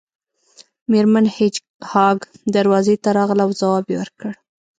میرمن هیج هاګ دروازې ته راغله او ځواب یې ورکړ